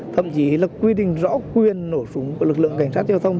thậm chí là quy định rõ quyền nổ súng của lực lượng cảnh sát giao thông